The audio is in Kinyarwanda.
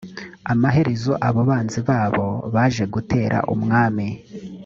amaherezo abo banzi babo baje gutera umwami